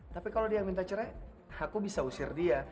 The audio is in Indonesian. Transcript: tapi kalau dia minta cerai aku bisa usir dia